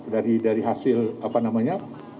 dari hasil apa namanya